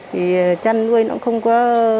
thì chăn nuôi nó không có